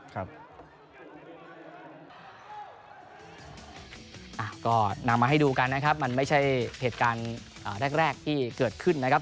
ก็นำมาให้ดูกันนะครับมันไม่ใช่เหตุการณ์แรกที่เกิดขึ้นนะครับ